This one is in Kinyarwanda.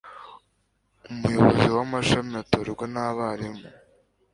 umuyobozi w agashami atorwa n abarimu